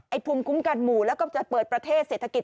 ภูมิคุ้มกันหมู่แล้วก็จะเปิดประเทศเศรษฐกิจ